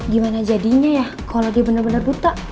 gimana jadinya ya kalo dia bener bener buta